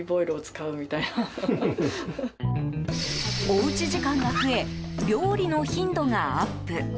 おうち時間が増え料理の頻度がアップ。